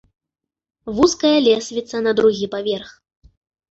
Вузкая лесвіца на другі паверх.